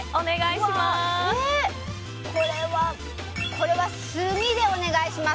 これは、炭でお願いします。